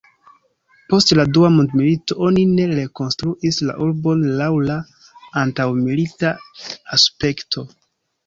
Post la Dua Mondmilito oni ne rekonstruis la urbon laŭ la antaŭmilita aspekto.